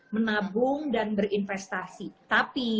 menabung dan berinvestasi